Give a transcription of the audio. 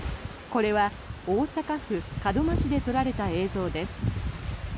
これは大阪府門真市で撮られた映像です。